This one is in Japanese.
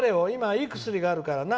いい薬があるからな。